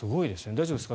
大丈夫ですか？